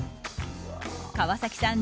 川崎さん